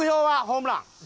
ホームラン。